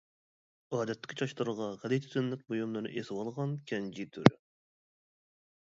ئادەتتىكى چاچلىرىغا غەلىتە زىننەت بۇيۇملىرىنى ئېسىۋالغان كەنجى تۈرى.